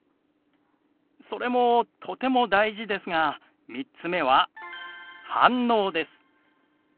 それもとても大事ですが３つ目は「反応」です。